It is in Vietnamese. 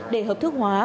để hợp thức hóa